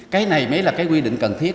cái này mới là cái quy định cần thiết